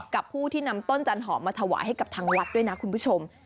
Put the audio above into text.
ผู้ที่นำต้นจันหอมมาถวายให้กับทางวัดด้วยนะคุณผู้ชม